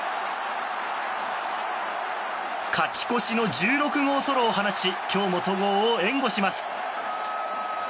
勝ち越しの１６号ソロを放ち今日も戸郷を援護します。